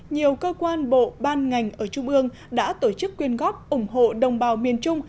nhiều cơ quan bộ ban ngành ở trung ương đã tổ chức quyên góp ủng hộ đồng bào miền trung